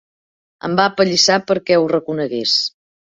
Em va apallissar perquè ho reconegués.